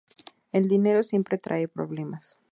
El dinero siempre trae problemas".